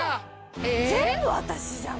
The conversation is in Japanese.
全部私じゃん。